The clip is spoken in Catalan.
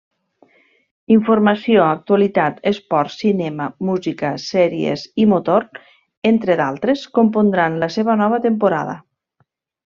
Informació, actualitat, esports, cinema, música, sèries i motor, entre d'altres, compondran la seva nova temporada.